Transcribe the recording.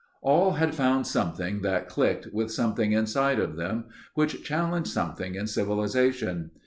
All had found something that clicked with something inside of them which challenged something in civilization.